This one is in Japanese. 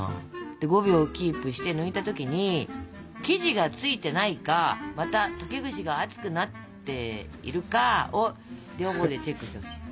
で５秒キープして抜いた時に生地がついてないかまた竹串が熱くなっているかを両方でチェックしてほしい。